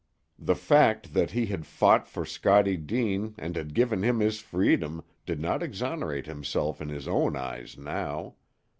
The fact that he had fought for Scottie Deane and had given him his freedom did not exonerate himself in his own eyes now.